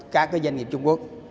các cái doanh nghiệp trung quốc